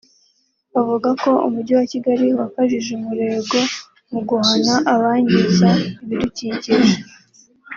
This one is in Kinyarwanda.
Avuga ko Umujyi wa Kigali wakajije umurego mu guhana abangiza ibidukikije